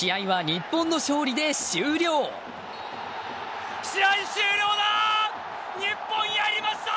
日本、やりました。